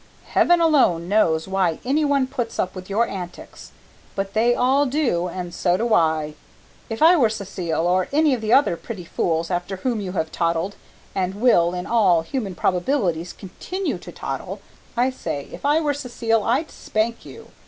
"Heaven alone knows why any one puts up with your antics, but they all do and so do I. If I were Cécile or any of the other pretty fools after whom you have toddled and will, in all human probabilities, continue to toddle, I say, if I were Cécile I'd spank you!